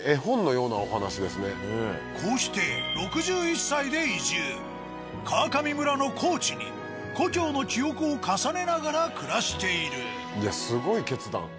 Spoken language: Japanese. こうして川上村の高地に故郷の記憶を重ねながら暮らしているすごい決断。